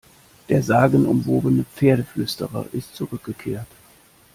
Der sagenumwobene Pferdeflüsterer ist zurückgekehrt!